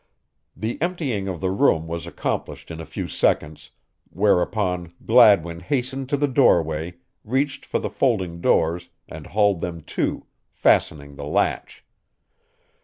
The emptying of the room was accomplished in a few seconds, whereupon Gladwin hastened to the doorway, reached for the folding doors and hauled them to, fastening the latch.